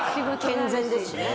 健全ですしね。